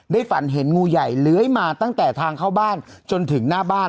ฝันเห็นงูใหญ่เลื้อยมาตั้งแต่ทางเข้าบ้านจนถึงหน้าบ้าน